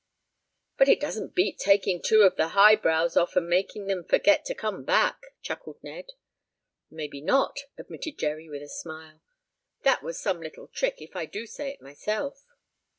"But it doesn't beat taking two of the highbrows off and making them forget to come back," chuckled Ned. "Maybe not," admitted Jerry, with a smile. "That was some little trick, if I do say it myself."